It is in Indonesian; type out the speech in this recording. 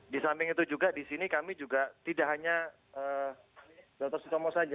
dan itu juga di sini kami juga tidak hanya dr sutomo saja